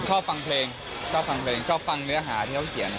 ชอบฟังเพลงชอบฟังเพลงชอบฟังเนื้อหาที่เขาเขียน